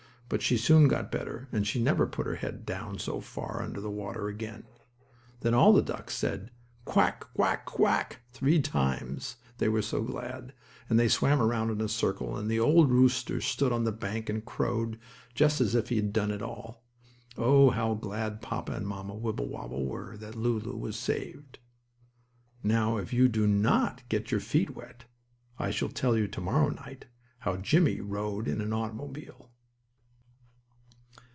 But she soon got better, and she never put her head so far down under water again. Then all the ducks said: "Quack, Quack, Quack!" three times, they were so glad, and they swam around in a circle, and the old rooster stood on the bank and crowed, just as if he had done it all! Oh, how glad Papa and Mamma Wibblewobble were that Lulu was saved! Now, if you do not get your feet wet, I shall tell you, to morrow night, how Jimmie rode in an automobile.